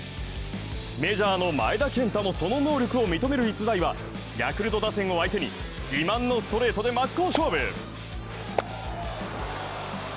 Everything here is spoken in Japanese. メジャーの前田健太もその能力を認める逸材はヤクルト打線を相手に自慢のストレートで真っ向勝負。